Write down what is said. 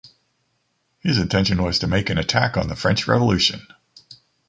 His intention was to make an attack on the French Revolution.